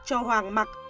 cho hoàng mặc